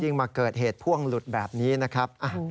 มาเกิดเหตุพ่วงหลุดแบบนี้นะครับ